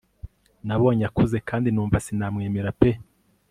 Nabonye akuze kandi numva sinamwemera pe